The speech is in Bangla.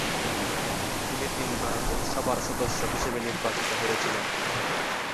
তিনি তিনবার লোকসভার সদস্য হিসেবে নির্বাচিত হয়েছিলেন।